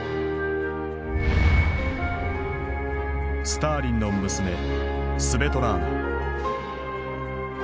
スターリンの娘スヴェトラーナ。